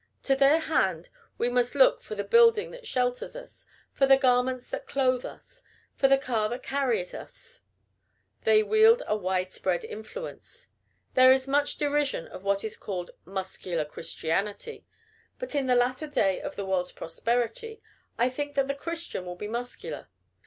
To their hand we must look for the building that shelters us, for the garments that clothe us, for the car that carries us. They wield a widespread influence. There is much derision of what is called "muscular Christianity;" but in the latter day of the world's prosperity, I think that the Christian will be muscular.